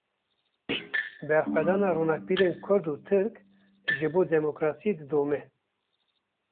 Berxwedana ronakbîrên Kurd û Tirk, ji bo demokrasiyê didome